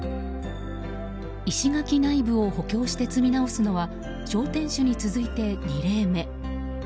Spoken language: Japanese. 石垣内部を補強して積み直すのは小天守に続いて、２例目。